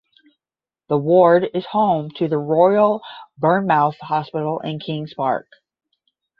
The ward is home to the Royal Bournemouth Hospital and Kings Park.